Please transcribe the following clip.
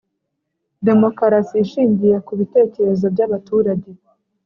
Demokarasi ishingiye ku bitekerezo byabaturage